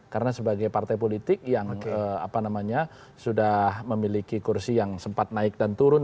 karena sebagai partai politik yang sudah memiliki kursi yang sempat naik dan turun